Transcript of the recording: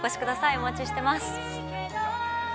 お待ちしてます。